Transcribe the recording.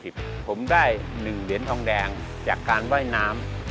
ผมได้๑เหรียญทองแดงจากการว่ายน้ำ